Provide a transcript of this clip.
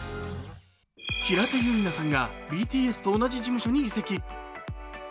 平手友梨奈さんがＢＴＳと同じ事務所に移籍。